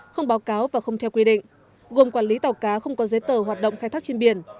không báo cáo và không theo quy định gồm quản lý tàu cá không có giấy tờ hoạt động khai thác trên biển